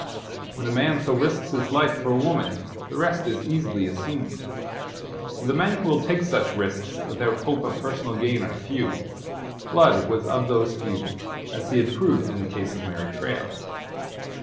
When a man so risks his life for a woman, the rest is easily assumed. For the men who will take such risks without hope of personal gain are few. Blood was of those few, as he had proved in the case of Mary Traill.